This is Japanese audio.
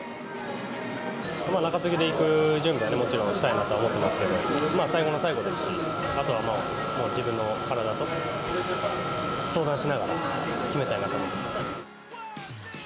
中継ぎでいく準備はもちろんしたいなと思ってますけど最後の最後ですし、あとは自分の体と相談しながら決めたいなと思っています。